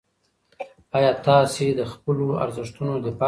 آیا تاسې د خپلو ارزښتونو دفاع کوئ؟